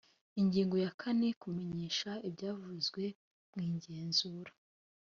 ingingo ya kane kumenyesha ibyavuye mu igenzura